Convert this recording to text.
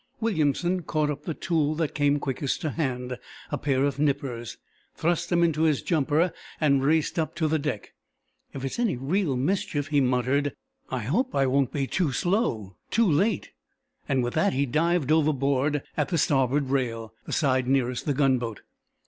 Williamson caught up the tool that came quickest to hand, a pair of nippers, thrust them into his jumper and raced up to the deck. "If it's any real mischief," he muttered, "I hope I won't be too slow too late!" With that he dived overboard, at the starboard rail, the side nearest the gunboat.